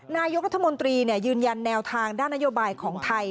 นายกรัฐมนตรียืนยันแนวทางด้านนโยบายของไทย